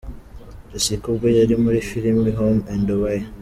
Jessica ubwo yari muri Filimi Home and away.